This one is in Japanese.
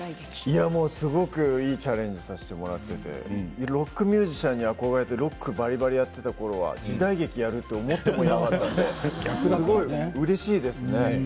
いやもうすごくいいチャレンジをさせてもらっていてロックミュージシャンに憧れてロックをばりばりやっていたころは時代劇をやると思ってもいなかったです。